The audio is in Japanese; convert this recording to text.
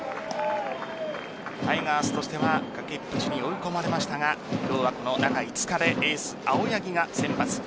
タイガースとしては崖っぷちに追い込まれましたが今日は、この中５日でエース・青柳が先発。